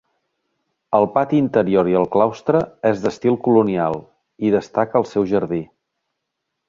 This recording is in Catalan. El pati interior i el claustre és d'estil colonial i destaca el seu jardí.